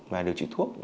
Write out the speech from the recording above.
và điều trị thuốc